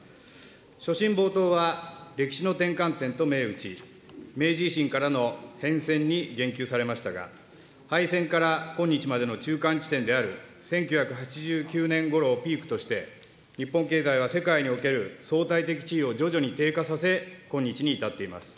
所信冒頭は歴史の転換点と銘打ち、明治維新からの変遷に言及されましたが、敗戦から今日までの中間地点である１９８９年ごろをピークとして、日本経済は世界における相対的地位を徐々に低下させ、今日に至っています。